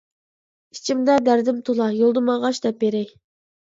ئىچىمدە دەردىم تولا، يولدا ماڭغاچ دەپ بېرەي.